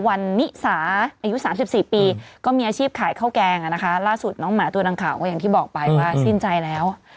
วันนิสาอายุ๓๔ปีก็มีอาชีพขายข้าวแกงอ่ะนะคะล่าสุดน้องหมาตัวดังกล่าวก็อย่างที่บอกไปว่าสิ้นใจแล้ว